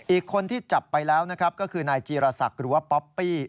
อีกคนที่จับไปแล้วนะครับก็คือนายจีรศักดิ์หรือว่าป๊อปปี้